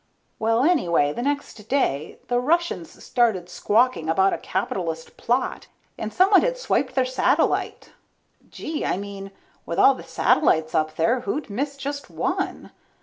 Well, anyway the next day, the Russians started squawking about a capitalist plot, and someone had swiped their satellite. Gee, I mean with all the satellites up there, who'd miss just one?